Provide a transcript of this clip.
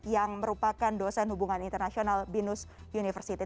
yang merupakan dosen hubungan internasional binus university